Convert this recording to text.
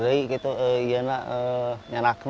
tergantung hujan di bandung hujan ageng